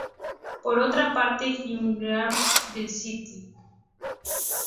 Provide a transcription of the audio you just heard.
Por otra parte, Jim Bullard del "St.